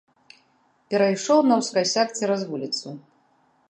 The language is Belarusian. Перайшоў наўскасяк цераз вуліцу.